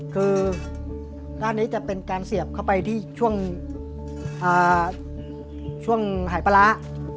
คือด้านนี้จะเป็นการเสียบเข้าไปที่ช่วงหายปลาร้า